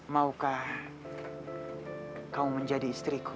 maukah kamu menjadi istriku